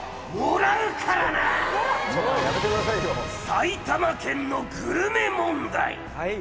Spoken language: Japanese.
埼玉県のグルメ問題。